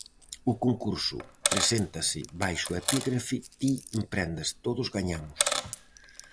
O concurso preséntase baixo o epígrafe "Ti emprendes, todos gañamos".